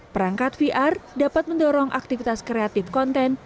perangkat vr dapat mendorong aktivitas kreatif konten